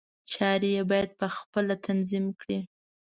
چارې یې باید په خپله تنظیم کړي.